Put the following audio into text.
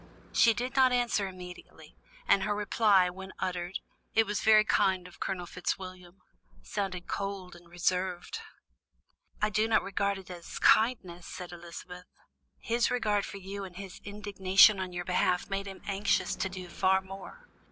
She did not answer immediately, and her reply, when uttered: "It was very kind of Colonel Fitzwilliam," sounded cold and reserved. "I do not regard it as kindness," said Elizabeth; "his regard for you and his indignation on your behalf made him anxious to do far more.